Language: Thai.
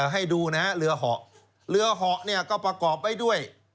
ให้ดูนะฮะเรือเหาะเรือเหาะเนี่ยก็ประกอบไว้ด้วย